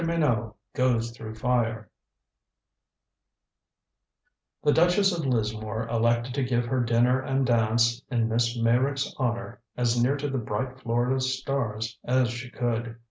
MINOT GOES THROUGH FIRE The Duchess of Lismore elected to give her dinner and dance in Miss Meyrick's honor as near to the bright Florida stars as she could.